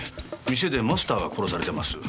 店でマスターが殺されています。